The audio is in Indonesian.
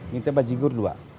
minta baju gur dua